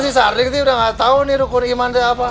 si sarding itu udah enggak tahu nih rukun iman itu apa